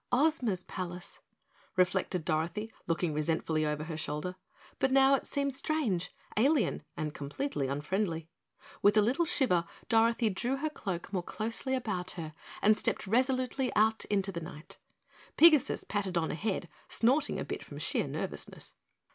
"Ozma's palace," reflected Dorothy, looking resentfully over her shoulder; but now it seemed strange, alien and completely unfriendly. With a little shiver Dorothy drew her cloak more closely about her and stepped resolutely out into the night. Pigasus pattered on ahead, snorting a bit from sheer nervousness.